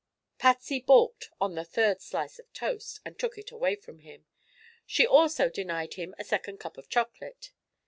Patsy balked on the third slice of toast and took it away from him. She also denied him a second cup of chocolate.